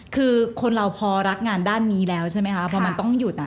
คือคนเราพอรักงานด้านนี้แล้วใช่ไหมคะ